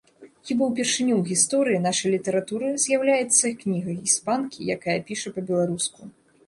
Хіба ўпершыню ў гісторыі нашай літаратуры з'яўляецца кніга іспанкі, якая піша па-беларуску.